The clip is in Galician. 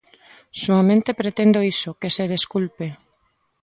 Soamente pretendo iso, que se desculpe.